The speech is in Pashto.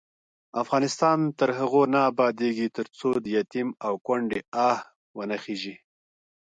افغانستان تر هغو نه ابادیږي، ترڅو د یتیم او کونډې آه وانه خیژي.